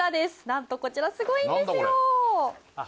なんとこちらすごいんですよ何だ？